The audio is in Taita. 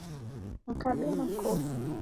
Mkabe makofi.